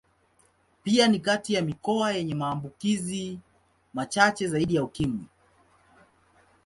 Pia ni kati ya mikoa yenye maambukizi machache zaidi ya Ukimwi.